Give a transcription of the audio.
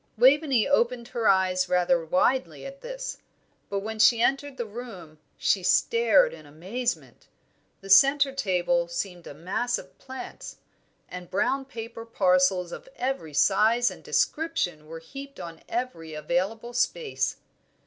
Waveney opened her eyes rather widely at this; but when she entered the room, she stared in amazement. The centre table seemed a mass of plants, and brown paper parcels of every size and description were heaped on every available space.